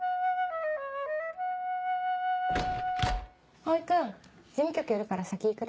蒼君事務局寄るから先行くね。